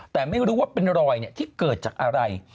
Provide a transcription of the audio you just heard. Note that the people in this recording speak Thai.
แต่ไม่รู้ว่าเป็นรอยที่เกิดจากอะไร